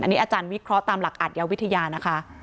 อันนี้อาจารย์วิเคราะห์ตามหลักอัตยาวิทยานะคะ